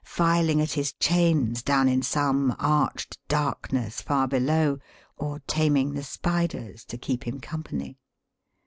filing at his chains down in some arched darkness far below, or taming the spiders to keep him company.